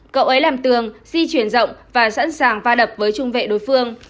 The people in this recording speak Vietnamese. cậu ấy làm tường di chuyển rộng và sẵn sàng va đập với trung vệ đối phương